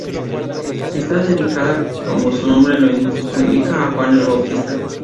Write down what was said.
Está dedicada como su nombre lo indica a Juan el Bautista.